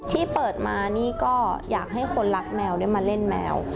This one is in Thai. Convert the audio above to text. ที่เปิดมานี่ก็อยากให้คนรักแมวได้มาเล่นแมว